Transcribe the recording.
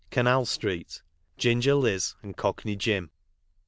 CANAL STREET: GINGER LIZ AND COCKNEY JIM.